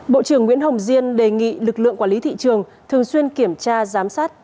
bộ trưởng nguyễn hồng diên đề nghị lực lượng quản lý thị trường thường xuyên kiểm tra giám sát